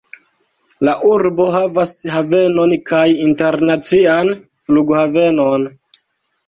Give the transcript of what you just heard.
La urbo havas havenon kaj internacian flughavenon.